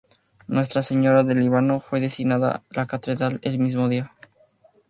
Nuestra Señora del Líbano fue designada la catedral el mismo día.